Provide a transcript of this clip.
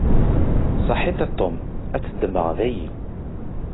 Saḥit a Tom, ad t-ddmeɣ dayi.